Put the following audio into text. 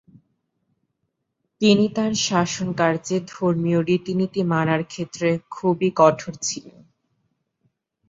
তিনি তার শাসনকার্জে ধর্মীয় রীতিনীতি মানার ক্ষেত্রে খুবই কঠোর ছিলেন।